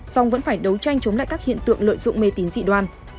song vẫn phải đấu tranh chống lại các hiện tượng lợi dụng mê tín dị đoan